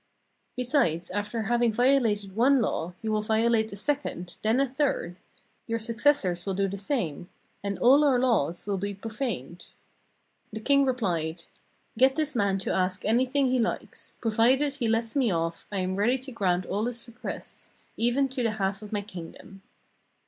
Besides, after hav ing violated one law, you will violate a second, then a third; your successors will do the same, and all our laws will be profaned.' The king replied: 'Get this man to ask anything he likes; provided he lets me off, I am ready to grant all his requests, even to the half of my kingdom.'